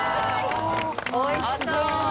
おいしそう！